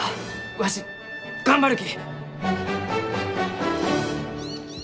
わし頑張るき！